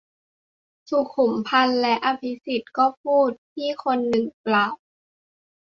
สุขุมพันธุ์และอภิสิทธิ์ ก็พูด - พี่คนหนึ่งกล่าว